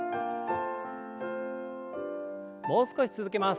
もう少し続けます。